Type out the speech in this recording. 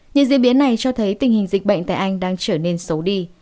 những diễn biến này cho thấy tình hình dịch bệnh tại anh đang trở nên xấu đi